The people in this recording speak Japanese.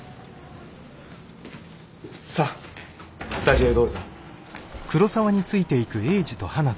さあスタジオへどうぞ。